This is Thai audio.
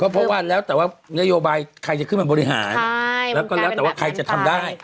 เพราะว่าแล้วแต่ว่านโยบายใครจะขึ้นมาบริหารแล้วก็แล้วแต่ว่าใครจะทำได้